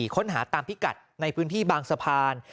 ค้นหาตามพิกัดในพื้นที่บางสะพาน